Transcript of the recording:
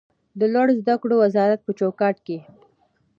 د لوړو زده کړو وزارت په چوکاټ کې